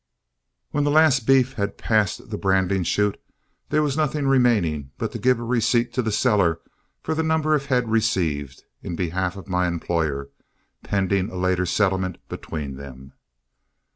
When the last beef had passed the branding chute, there was nothing remaining but to give a receipt to the seller for the number of head received, in behalf of my employer, pending a later settlement between them.